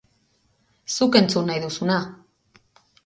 Zuk entzun nahi duzuna!